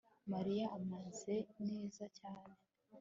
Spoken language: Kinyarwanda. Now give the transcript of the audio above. mariya ameze neza cyane